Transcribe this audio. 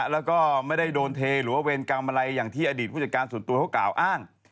แล้วก็ไม่ได้โดนเทหรือว่าเวรกรรมอะไรอย่างที่อดีตผู้จัดการส่วนตัวเขากล่าวอ้าง